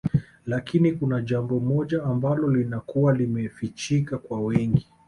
Lakini kuna jambo moja ambalo linakuwa limefichika kwa wengi